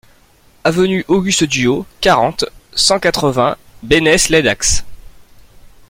Avenue Auguste Duhau, quarante, cent quatre-vingts Bénesse-lès-Dax